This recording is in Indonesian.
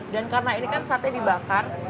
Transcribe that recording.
dan karena ini kan sate dibakar